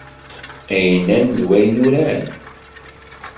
Ay nnan d wayen uran.